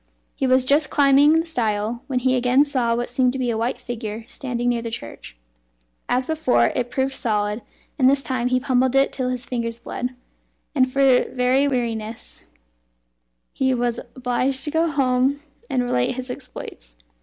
He was just climbing the stile, when he again saw what seemed to be a white figure standing near the church. As before, it proved solid, and this time he pummelled it till his fingers bled, and for very weariness he was obliged to go home and relate his exploits.